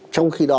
trong khi đó